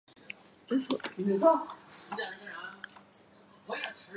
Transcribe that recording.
协和飞机的加压系统也有完善的安全性考量。